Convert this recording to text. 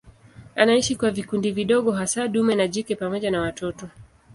Anaishi kwa vikundi vidogo hasa dume na jike pamoja na watoto.